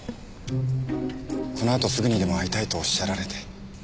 このあとすぐにでも会いたいとおっしゃられて。